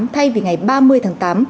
thay vì ngày ba mươi tháng tám